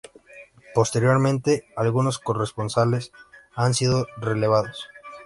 Posteriormente, algunos corresponsales han sido relevados.